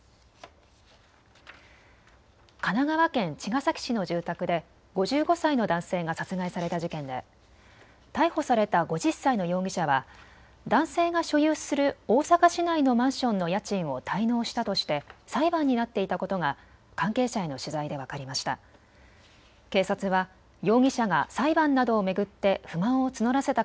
神奈川県茅ヶ崎市の住宅で５５歳の男性が殺害された事件で逮捕された５０歳の容疑者は男性が所有する大阪市内のマンションの家賃を滞納したとして裁判になっていたことが関係者への取材で分かりました。